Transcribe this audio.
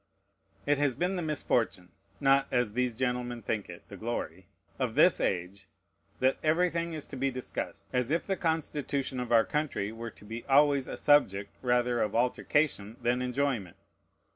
It has been the misfortune (not, as these gentlemen think it, the glory) of this age, that everything is to be discussed, as if the Constitution of our country were to be always a subject rather of altercation than enjoyment.